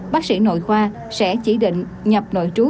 bác sĩ nội khoa sẽ chỉ định nhập nội trú